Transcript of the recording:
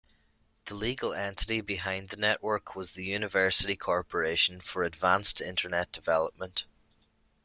The legal entity behind the network was the University Corporation for Advanced Internet Development.